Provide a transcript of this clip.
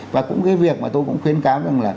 và cũng cái việc mà tôi cũng khuyến cáo